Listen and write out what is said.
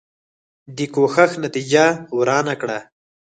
دې کوښښ نتیجه ورنه کړه.